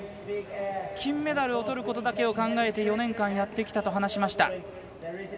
金メダルをとることだけを考えて４年間、やってきたと話しました。